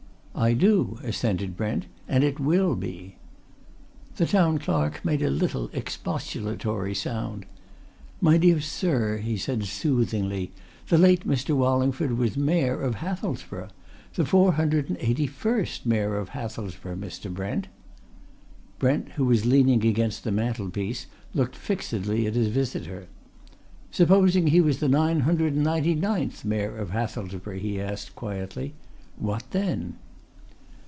"I do," assented Brent. "And it will be!" The Town Clerk made a little expostulatory sound. "My dear sir," he said soothingly, "the late Mr. Wallingford was Mayor of Hathelsborough! The four hundred and eighty first Mayor of Hathelsborough, Mr. Brent!" Brent, who was leaning against the mantelpiece, looked fixedly at his visitor. "Supposing he was the nine hundred and ninety ninth Mayor of Hathelsborough," he asked quietly, "what then?"